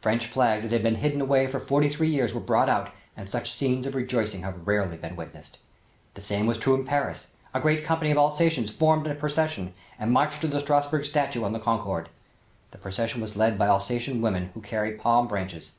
French flags that had been hidden away for forty three years were brought out and such scenes of rejoicing have rarely been witnessed. The same was true in Paris. A great company of Alsatians formed a procession and marched to the Strassburg statue on the Concorde. The procession was led by Alsatian women who carried palm branches.